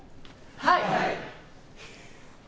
はい！